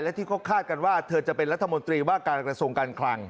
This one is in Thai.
และที่เขาคาดกันว่าเธอจะเป็นรัฐมนตรีว่าการกระทรวงการคลัง